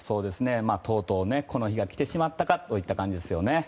とうとうこの日が来てしまったかといった感じですね。